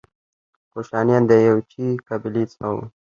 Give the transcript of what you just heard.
کوشانیان د یوچي قبیلې څخه وو